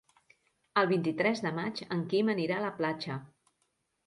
El vint-i-tres de maig en Quim anirà a la platja.